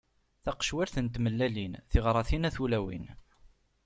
Taqecwalt n tmellalin, tiɣratin a tulawin.